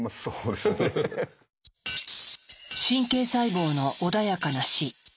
「神経細胞の穏やかな死」。